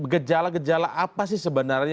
gejala gejala apa sih sebenarnya